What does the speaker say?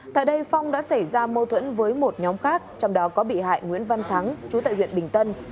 tại đây phong đã xảy ra mâu thuẫn với một nhóm khác trong đó có bị hại nguyễn văn thắng chú tại huyện bình tân